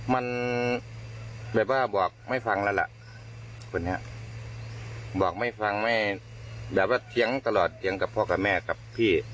มันแบบว่าบอกไม่ฟังแล้วล่ะคนนี้บอกไม่ฟังไม่แบบว่าเถียงตลอดเสียงกับพ่อกับแม่กับพี่